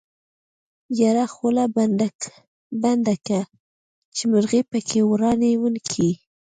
يره خوله بنده که چې مرغۍ پکې ورانی ونکي.